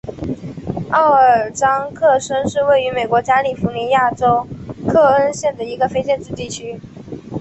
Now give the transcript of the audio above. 奥尔章克申是位于美国加利福尼亚州克恩县的一个非建制地区。